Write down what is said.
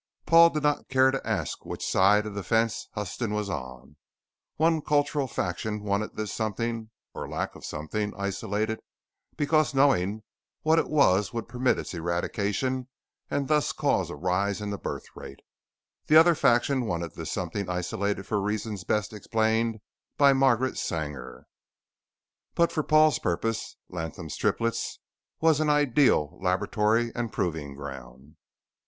Paul did not care to ask which side of the fence Huston was on; one cultural faction wanted this something or lack of something isolated because knowing what it was would permit its eradication and thus cause a rise in the birth rate. The other faction wanted this something isolated for reasons best explained by Margaret Sanger. But for Paul's purpose, Latham's Triplets was an ideal laboratory and proving ground.